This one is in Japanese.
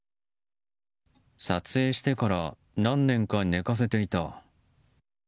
撮影してから何年か寝かせていた。